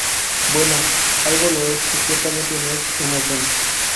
Bueno, algo lo es, y ciertamente no es una escena.